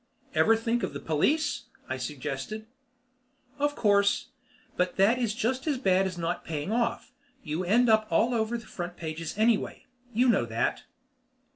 "Ever think of the police?" I suggested. "Of course. But that is just as bad as not paying off. You end up all over the front pages anyway. You know that."